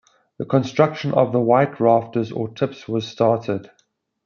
The construction of the white rafters, or tips, was started.